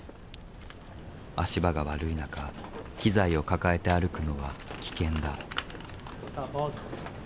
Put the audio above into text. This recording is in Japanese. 足場が悪い中機材を抱えて歩くのは危険だ。